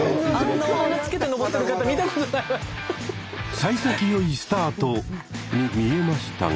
さい先よいスタートに見えましたが。